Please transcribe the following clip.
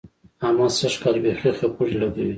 احمد سږ کال بېخي خپړې لګوي.